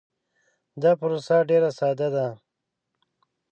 دا پروسه ډیر ساده ده.